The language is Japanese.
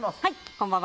こんばんは。